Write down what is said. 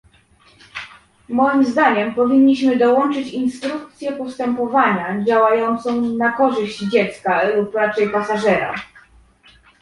Moim zdaniem powinniśmy dołączyć instrukcję postępowania działającą na korzyść dziecka lub raczej pasażera